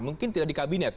mungkin tidak di kabinet